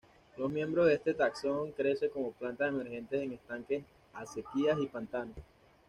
Los miembros de este taxón crecen como plantas emergentes en estanques, acequias, y pantanos.